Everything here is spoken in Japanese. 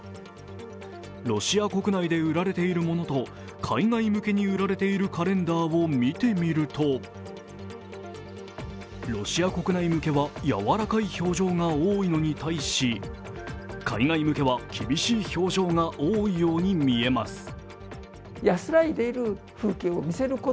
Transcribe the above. ロシア国内で売られているものと海外向けに売られているカレンダーを見てみるとロシア国内向けはやわらかい表情が多いのに対し海外向けは厳しい表情が多いように見えます。